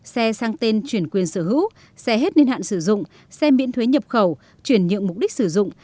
xe sang tên chuyển quyền sở hữu xe hết niên hạn sử dụng xe miễn thuế nhập khẩu chuyển nhượng mục đích sử dụng